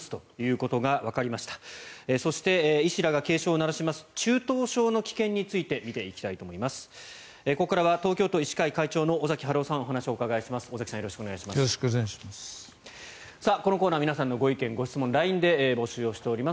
ここからは東京都医師会会長の尾崎治夫さんにお話をお伺いします。